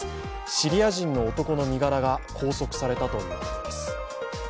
シリア人の男の身柄が拘束されたということです。